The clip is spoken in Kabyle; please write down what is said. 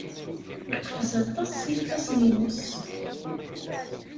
Yeqfez aṭas s yifassen-nnes.